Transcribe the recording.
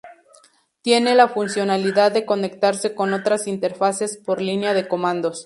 Tiene la funcionalidad de conectarse con otras interfaces por línea de comandos.